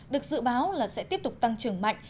được dự báo là sẽ tiếp tục tăng trưởng mạnh